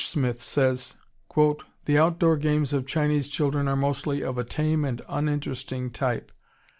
Smith says: "The outdoor games of Chinese children are mostly of a tame and uninteresting type.